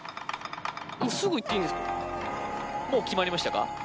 もう決まりましたか？